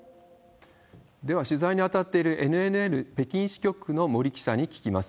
では、取材に当たっているＮＮＮ北京支局の森記者に聞きます。